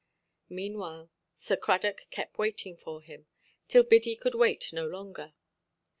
Meanwhile, Sir Cradock kept waiting for him, till Biddy could wait no longer.